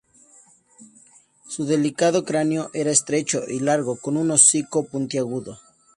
Su delicado cráneo era estrecho y largo, con un hocico puntiagudo.